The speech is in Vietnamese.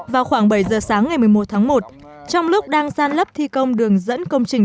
vào khoảng bảy giờ sáng ngày một mươi một tháng một trong lúc đang gian lấp thi công đường dẫn công trình